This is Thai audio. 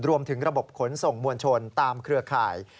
รวมถึงระบบขนส่งมวลชนตามเครือข่าย